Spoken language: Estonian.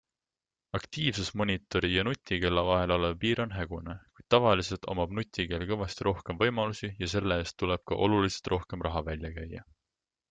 Aktiivsusmonitori ja nutikella vahel olev piir on hägune, kuid tavaliselt omab nutikell kõvasti rohkem võimalusi ja selle eest tuleb ka oluliselt rohkem raha välja käia.